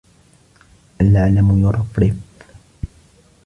العلم يرفرف،